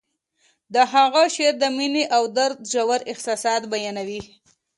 د هغه شعر د مینې او درد ژور احساسات بیانوي